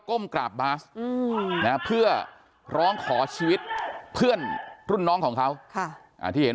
ก้มกราบบาสเพื่อร้องขอชีวิตเพื่อนรุ่นน้องของเขาที่เห็น